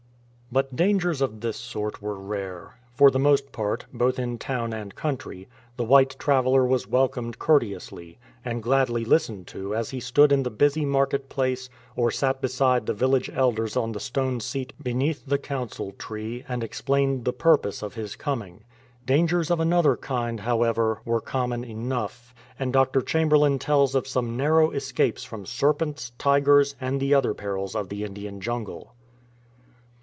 But dangers of this sort were rare. For the most part, both in town and country, the white traveller was welcomed courteously, and gladly listened to as he stood in the busy market place or sat beside the village elders on the stone seat beneath the " Council tree," and ex plained the pm'pose of his coming. Dangers of another kind, however, were common enough, and Dr. Chamberlain tells of some narrow escapes from serpents, tigers, and the other perils of the Indian jungle.